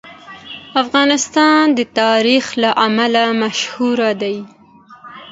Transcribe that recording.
افغانستان د تاریخ له امله شهرت لري.